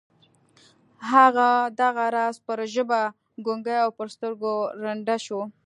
هغه دغه راز پر ژبه ګونګۍ او پر سترګو ړنده شوه